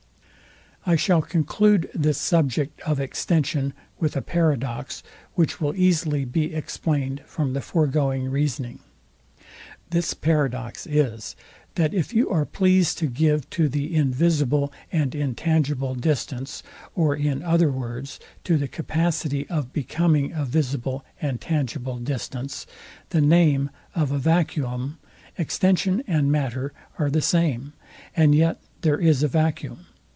I shall conclude this subject of extension with a paradox, which will easily be explained from the foregoing reasoning. This paradox is, that if you are pleased to give to the in visible and intangible distance, or in other words, to the capacity of becoming a visible and tangible distance, the name of a vacuum, extension and matter are the same, and yet there is a vacuum.